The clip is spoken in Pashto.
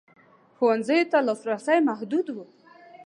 ښوونځیو ته لاسرسی محدود و.